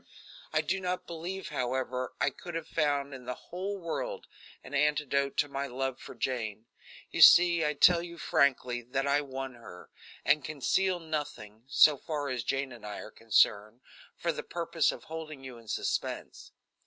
I do not believe, however, I could have found in the whole world an antidote to my love for Jane. You see I tell you frankly that I won her, and conceal nothing, so far as Jane and I are concerned, for the purpose of holding you in suspense.